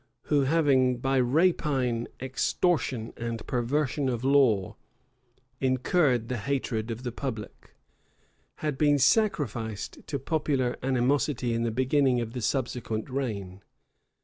who, having, by rapine, extortion, and perversion of law, incurred the hatred of the public, had been sacrificed to popular animosity in the beginning of the subsequent reign.